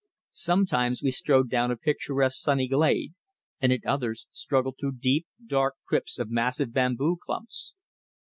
Sometimes we strode down a picturesque sunny glade, and at others struggled through deep dark crypts of massive bamboo clumps.